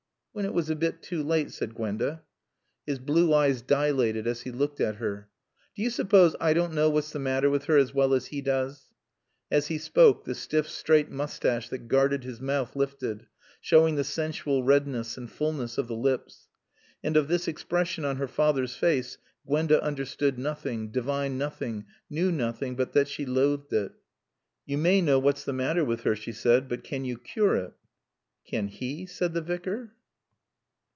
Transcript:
"When it was a bit too late," said Gwenda. His blue eyes dilated as he looked at her. "Do you suppose I don't know what's the matter with her as well as he does?" As he spoke the stiff, straight moustache that guarded his mouth lifted, showing the sensual redness and fulness of the lips. And of this expression on her father's face Gwenda understood nothing, divined nothing, knew nothing but that she loathed it. "You may know what's the matter with her," she said, "but can you cure it?" "Can he?" said the Vicar.